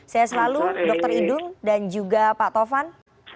saya selalu dr idung dan juga pak tovan